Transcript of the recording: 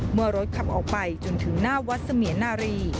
เมื่อรถขับออกไปจนถึงหน้าวัดเสมียนารี